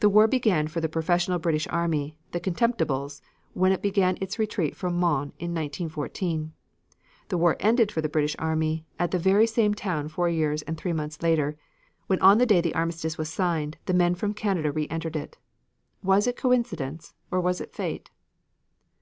The war began for the professional British army the Contemptibles when it began its retreat from Mons in 1914; the war ended for the British army at the very same town four years and three months later, when on the day the armistice was signed the men from Canada re entered it. Was it coincidence, or was it fate?